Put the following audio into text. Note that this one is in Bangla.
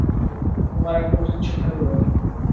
তোমায় একটা উচিত শিক্ষা দেবো এবার।